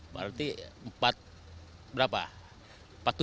berarti rp empat puluh tujuh itu